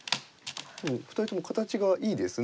２人とも形がいいですね。